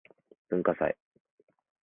文化祭